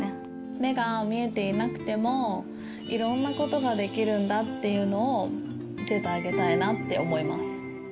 目が見えていなくても、いろんなことができるんだっていうのを見せてあげたいなって思い